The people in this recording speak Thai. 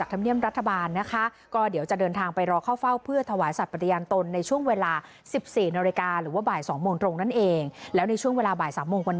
อันดสองต้องด้วย